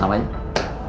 aku mau pergi